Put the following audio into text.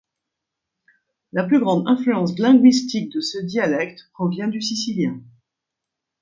La plus grande influence linguistique de ce dialecte provient du sicilien.